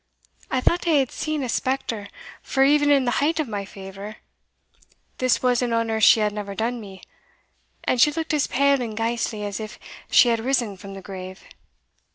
I thought I had seen a spectre, for even in the height of my favour, this was an honour she had never done me, and she looked as pale and ghastly as if she had risen from the grave.